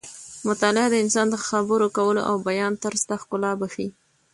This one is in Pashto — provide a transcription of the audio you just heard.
مطالعه د انسان د خبرو کولو او بیان طرز ته ښکلا بښي.